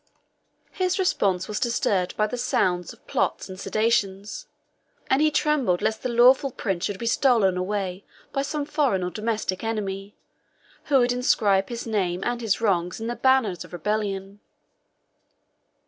His repose was disturbed by the sound of plots and seditions; and he trembled lest the lawful prince should be stolen away by some foreign or domestic enemy, who would inscribe his name and his wrongs in the banners of rebellion.